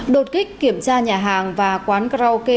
đột kích kiểm tra nhà hàng và quán karaoke